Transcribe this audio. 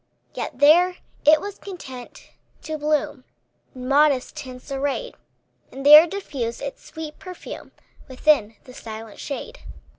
Yet there it was content to bloom, In modest tints arrayed; And there diffused its sweet perfume Within the silent shade.